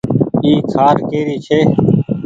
اي کآٽ ڪيري ڇي ۔